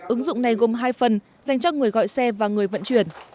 ứng dụng này gồm hai phần dành cho người gọi xe và người vận chuyển